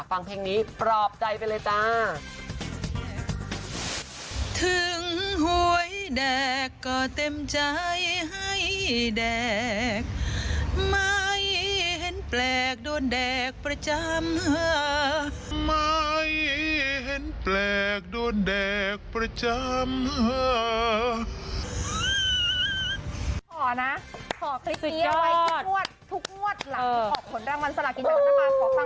ฟังเพลงนี้ปลอบใจไปเลยจ้า